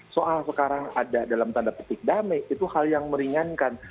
soal sekarang ada dalam tanda petik damai itu hal yang meringankan